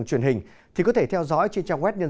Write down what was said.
xin kính chào và hẹn gặp lại